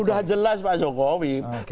sudah jelas pak jokowi